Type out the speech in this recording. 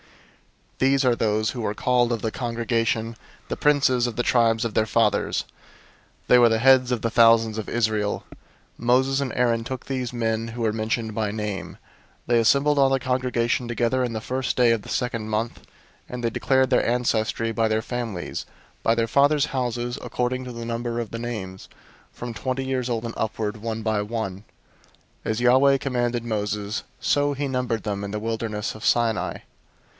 001:016 These are those who were called of the congregation, the princes of the tribes of their fathers; they were the heads of the thousands of Israel. 001:017 Moses and Aaron took these men who are mentioned by name. 001:018 They assembled all the congregation together on the first day of the second month; and they declared their ancestry by their families, by their fathers' houses, according to the number of the names, from twenty years old and upward, one by one. 001:019 As Yahweh commanded Moses, so he numbered them in the wilderness of Sinai.